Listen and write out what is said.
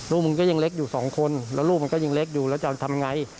มึงก็ยังเล็กอยู่สองคนแล้วลูกมันก็ยังเล็กอยู่แล้วจะเอาทำไง